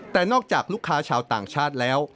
แต่นอกจากลูกค้าชาวต่างชาติแล้ว